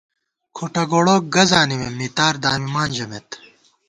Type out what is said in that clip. کھُٹہ گوڑوک گہ زانِمېم، مِتار دامِمان ژَمېت